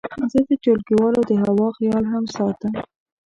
زه د ټولګیو د هوا خیال هم ساتم.